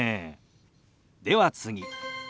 では次。